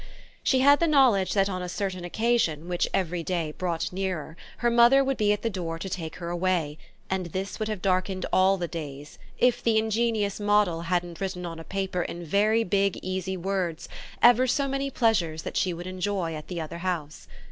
She had the knowledge that on a certain occasion which every day brought nearer her mother would be at the door to take her away, and this would have darkened all the days if the ingenious Moddle hadn't written on a paper in very big easy words ever so many pleasures that she would enjoy at the other house.